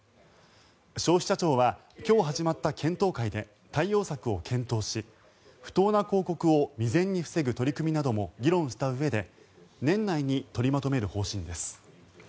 消費者庁は今日始まった検討会で対応策を検討し、不当な広告を未然に防ぐ取り組みなども議論したうえで年内に取りまとめる方針です。